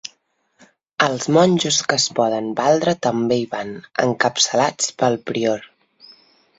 Els monjos que es poden valdre també hi van, encapçalats pel prior.